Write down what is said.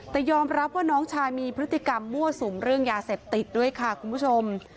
แต่ยอมรับว่าน้องชายมีพฤติกรรมมั่วสุมเรื่องยาเสพติดด้วยค่ะคุณผู้ชม